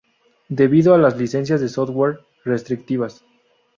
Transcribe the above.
debido a las licencias de software restrictivas